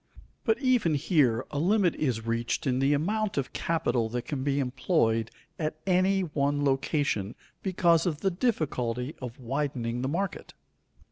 But even here a limit is reached in the amount of capital that can be employed at any one location because of the difficulty of widening the market.